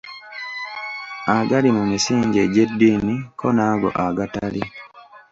Agali mu misingi egy’eddiini ko n’ago agatali.